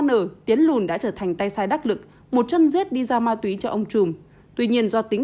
nở tiến lùn đã trở thành tay sai đắc lực một chân dết đi ra ma túy cho ông trùm tuy nhiên do tính